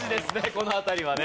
この辺りはね。